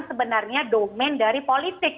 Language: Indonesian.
sebenarnya domen dari politik